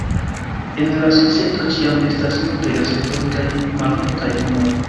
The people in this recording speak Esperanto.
En la societo ĉiam estas multaj gazetoj kaj malmultaj homoj.